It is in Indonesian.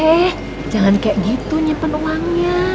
eh jangan kayak gitu nyimpen uangnya